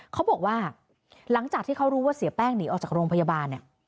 เขาบอกว่าหลังจากที่เขารู้ว่าเสียแป้งหนีออกจากโรงพยาบาลเนี่ย